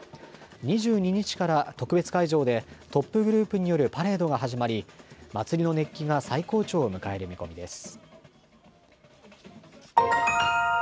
２２日から特別会場でトップグループによるパレードが始まり祭りの熱気が最高潮を迎える見込みです。